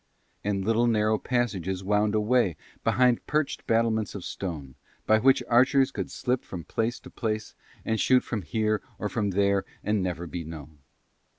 And little narrow passages wound away behind perched battlements of stone, by which archers could slip from place to place, and shoot from here or from there and never be known.